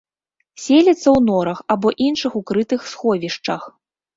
Селіцца ў норах або іншых укрытых сховішчах.